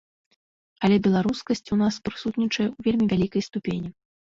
Але беларускасць у нас прысутнічае ў вельмі вялікай ступені.